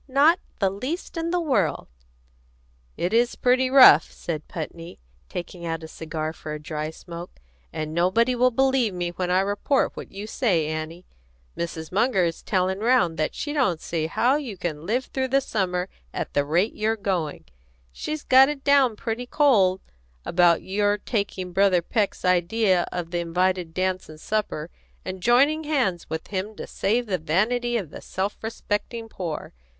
"Not the least in the world!" "It is pretty rough," said Putney, taking out a cigar for a dry smoke; "and nobody will believe me when I report what you say, Annie. Mrs. Munger is telling round that she don't see how you can live through the summer at the rate you're going. She's got it down pretty cold about your taking Brother Peck's idea of the invited dance and supper, and joining hands with him to save the vanity of the self respecting poor.